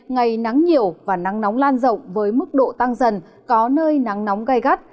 ngày nắng nhiều và nắng nóng lan rộng với mức độ tăng dần có nơi nắng nóng gai gắt